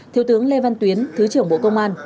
thiếu tướng lê văn tuyến thứ trưởng bộ công an